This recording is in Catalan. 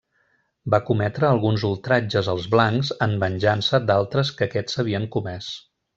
Va cometre alguns ultratges als blancs en venjança d'altres que aquests havien comès.